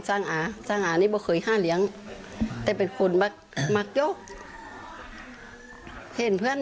แต่ไม่มีว่าไปกวนเขา